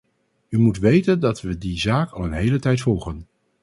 U moet weten dat we die zaak al een hele tijd volgen.